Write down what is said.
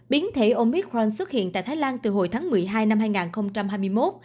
biến thể omicron xuất hiện tại thái lan từ hồi tháng một mươi hai năm hai nghìn hai mươi một